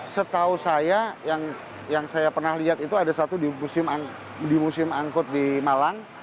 setahu saya yang saya pernah lihat itu ada satu di museum angkut di malang